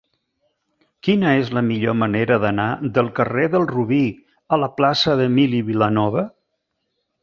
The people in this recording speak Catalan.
Quina és la millor manera d'anar del carrer del Robí a la plaça d'Emili Vilanova?